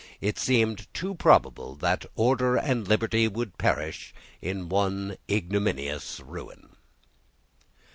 It seemed too probable that order and liberty would perish in one ignominious ruin.